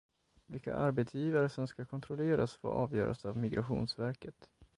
Vilka arbetsgivare som ska kontrolleras får avgöras av Migrationsverket.